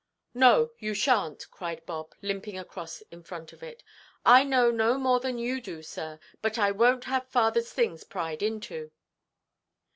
"No, you shanʼt," cried Bob, limping across in front of it; "I know no more than you do, sir. But I wonʼt have fatherʼs things pryed into."